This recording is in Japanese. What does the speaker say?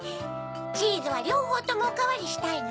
チーズはりょうほうともおかわりしたいのね。